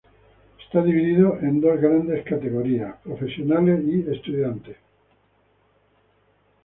Está dividido en dos grandes categorías, profesionales y estudiantes.